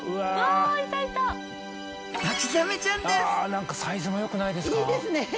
何かサイズもよくないですか？